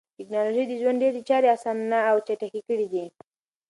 ټکنالوژي د ژوند ډېری چارې اسانه او چټکې کړې دي.